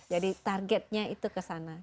jadi targetnya itu ke sana